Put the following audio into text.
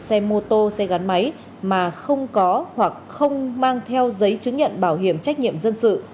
xe mô tô xe gắn máy mà không có hoặc không mang theo giấy chứng nhận bảo hiểm trách nhiệm dân sự